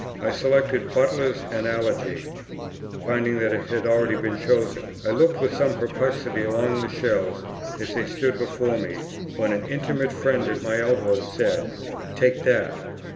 I selected Butler's Analogy; finding that it had been already chosen, I looked with some perplexity along the shelves as they stood before me, when an intimate friend at my elbow said, "Take that."